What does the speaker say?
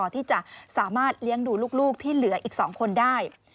ที่จะสามารถเลี้ยงดูลูกที่เหลืออีก๒คนได้